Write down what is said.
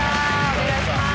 お願いします